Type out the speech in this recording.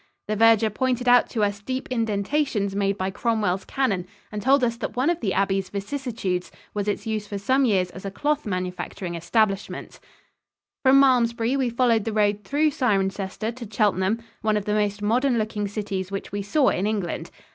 The verger pointed out to us deep indentations made by Cromwell's cannon and told us that one of the abbey's vicissitudes was its use for some years as a cloth manufacturing establishment. From Malmesbury we followed the road through Cirencester to Cheltenham, one of the most modern looking cities which we saw in England.